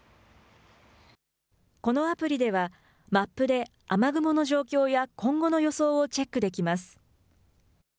このアプリではマップで雨雲の状況や今後の予想をチェックできます。